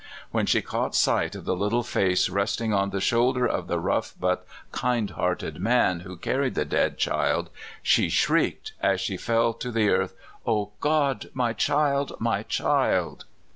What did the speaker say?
When she caught sight of the little face resting on the shoulder of the rough but kind hearted man who carried the dead child, she shrieked, as she fell to the earth: " O God! My child I my child!